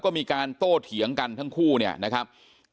เป็นมีดปลายแหลมยาวประมาณ๑ฟุตนะฮะที่ใช้ก่อเหตุ